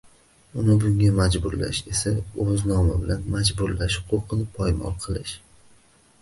Uni bunga majburlash esa o‘z nomi bilan majburlash – huquqini poymol qilish.